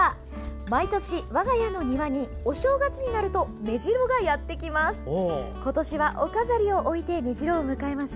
毎年、我が家の庭にお正月になるとメジロがやってきます。